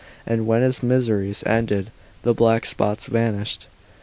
and when his miseries ended, the black spots vanished.